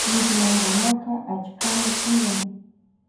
Willmankunaka achkami tiyan.